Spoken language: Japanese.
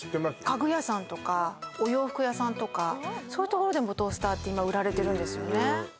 家具屋さんとかお洋服屋さんとかそういうところでもトースターって今、売られてるんですよね。